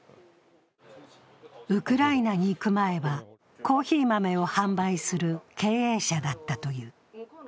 ウクライナに行く前はコーヒー豆を販売する経営者だったという。